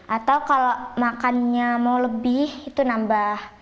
atau kalau makannya mau lebih itu nambah